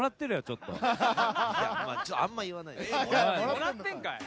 もらってんのかよ。